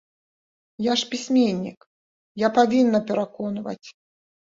Я ж пісьменнік, я павінна пераконваць.